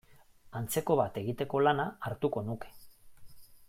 Antzeko bat egiteko lana hartuko nuke.